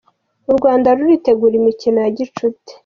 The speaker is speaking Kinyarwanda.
U Rwanda ruritegura imikino ya gicuti